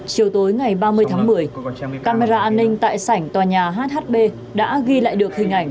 chiều tối ngày ba mươi tháng một mươi camera an ninh tại sảnh tòa nhà hhb đã ghi lại được hình ảnh